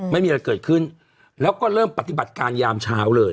ไม่มีอะไรเกิดขึ้นแล้วก็เริ่มปฏิบัติการยามเช้าเลย